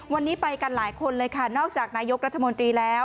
วันนี้ไปกันหลายคนเลยค่ะนอกจากนายกรัฐมนตรีแล้ว